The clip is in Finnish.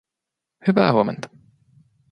Hyvää huomenta